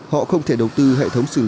họ không thể đầu tư hệ thống xử lý